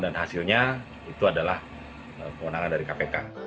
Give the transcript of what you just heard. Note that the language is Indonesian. dan hasilnya itu adalah kemenangan dari kpk